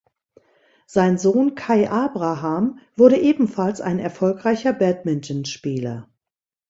Sein Sohn Kai Abraham wurde ebenfalls ein erfolgreicher Badmintonspieler.